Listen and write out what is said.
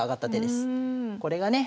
これがね